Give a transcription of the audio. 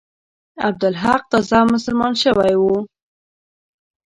عبدالحق تازه مسلمان شوی وو.